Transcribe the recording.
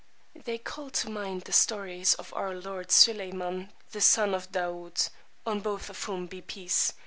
They called to mind the stories of our lord Suleymán the son of Daood (on both of whom be peace!)